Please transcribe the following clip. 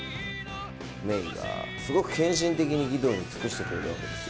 メイがすごく献身的に儀藤に尽くしてくれるわけですよ。